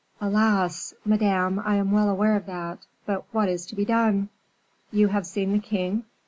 "Alas! Madame, I am well aware of that, but what is to be done?" "You have seen the king?"